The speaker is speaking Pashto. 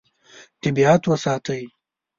طبیعت وساتئ.